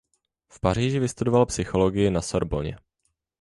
V Paříži vystudoval psychologii na Sorbonně.